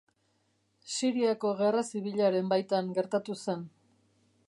Siriako Gerra Zibilaren baitan gertatu zen.